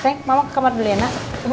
sayang mama ke kamar dulu ya na